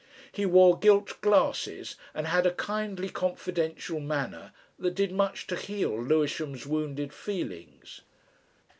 He wore gilt glasses and had a kindly confidential manner that did much to heal Lewisham's wounded feelings.